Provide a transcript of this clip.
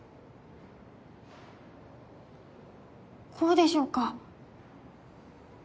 こうでしょうか？